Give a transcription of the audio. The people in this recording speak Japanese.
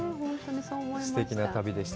すてきな旅でした。